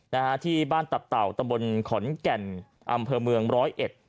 นะฮะที่บ้านตับเต่าตำบลขอนแก่นอำเภอเมืองร้อยเอ็ด